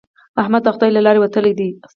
احمد د خدای له لارې وتلی دی.